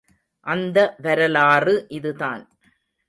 அந்த வரலாறு இதுதான்.